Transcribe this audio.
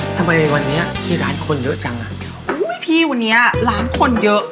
ทำไมวันนี้ที่ร้านคนเยอะจังอ่ะอุ้ยพี่วันนี้ร้านคนเยอะ